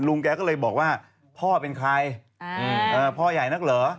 แกก็เลยบอกว่าพ่อเป็นใครพ่อใหญ่นักเหรอ